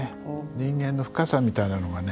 人間の深さみたいなのがね